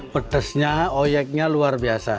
pedasnya oyeknya luar biasa